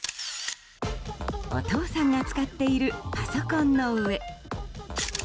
お父さんが使っているパソコンの上。